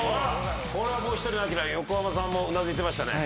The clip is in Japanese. これはもう一人のアキラ横浜さんもうなずいてましたね。